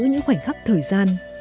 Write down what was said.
nếu giữ những khoảnh khắc của cuộc sống